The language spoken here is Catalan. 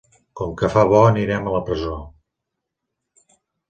Com que fa bo anirem a la presó.